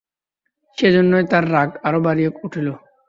সেইজন্যই তাঁর রাগ আরো বাড়িয়া উঠিল।